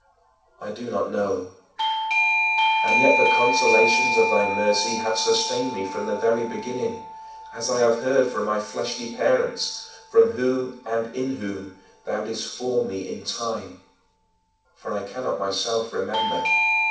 I do not know. And yet the consolations of thy mercy have sustained me from the very beginning, as I have heard from my fleshly parents, from whom and in whom thou didst form me in time for I cannot myself remember.